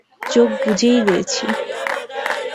চোখ বুজেই রয়েছি।